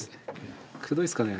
くどいっすかね？